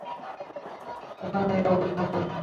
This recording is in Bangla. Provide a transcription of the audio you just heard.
ওখানে নিরাপদে থাকুক।